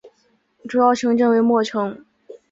主要城镇为莫城。